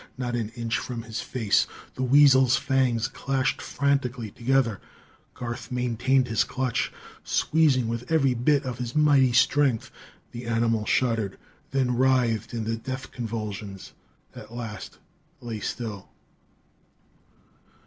Not an inch from his face the weasel's fangs clashed frantically together. Garth maintained his clutch, squeezing with every bit of his mighty strength. The animal shuddered; then writhed in the death convulsions; at last lay still.